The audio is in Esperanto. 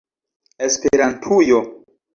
Esperantujo!